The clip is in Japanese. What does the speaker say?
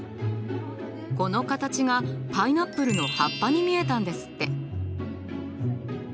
この形がパイナップルの葉っぱに見えたんですって。